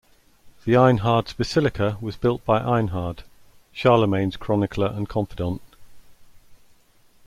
The "Einhards-Basilika" was built by Einhard, Charlemagne's chronicler and confidant.